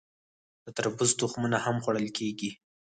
د تربوز تخمونه هم خوړل کیږي.